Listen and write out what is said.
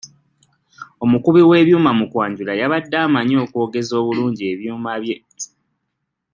Omukubi w'ebyuma mu kwanjula yabadde amanyi okwogeza obulungi ebyuma bye.